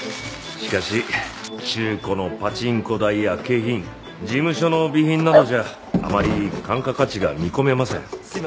しかし中古のパチンコ台や景品事務所の備品などじゃあまり換価価値が見込めません。